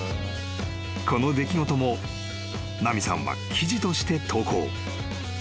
［この出来事も奈美さんは記事として投稿］